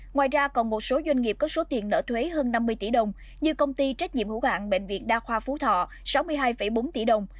ngoài ra còn một số doanh nghiệp có số tiền nợ thuế hơn năm mươi tỷ đồng như công ty trách nhiệm hữu hạng bệnh viện đa khoa phú thọ sáu mươi hai bốn tỷ đồng